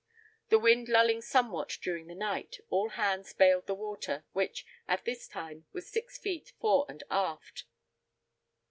The wind lulling somewhat during the night, all hands bailed the water, which, at this time, was six feet fore and aft.